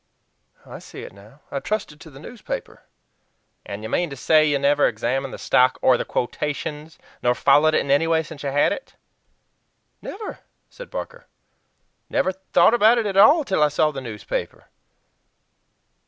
I see it now. I trusted to the newspaper." "And you mean to say you never examined the stock or the quotations, nor followed it in any way, since you had it?" "Never!" said Barker. "Never thought about IT AT ALL till I saw the newspaper.